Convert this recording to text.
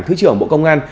thứ trưởng bộ công an